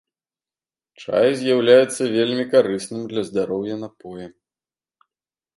Чай з'яўляецца вельмі карысным для здароўя напоем.